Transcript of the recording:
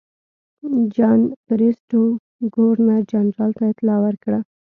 جان بریسټو ګورنر جنرال ته اطلاع ورکړه.